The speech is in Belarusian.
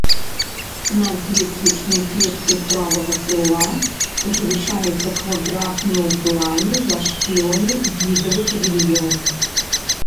Над лесвічнай клеткай правага крыла ўзвышаецца квадратны ў плане зашклёны відавы павільён.